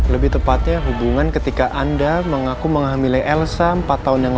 lebih tepatnya hubungan ketika anda mengaku menghamili elsa empat tahun yang lalu